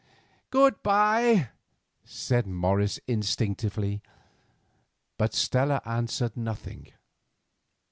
"Good bye," said Morris instinctively, but Stella answered nothing.